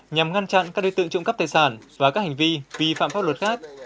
nhằm ngăn chặn các đối tượng trộm cắp tài sản và các hành vi vi phạm pháp luật khác